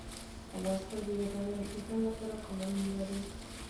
افغانستان د یورانیم د ساتنې لپاره قوانین لري.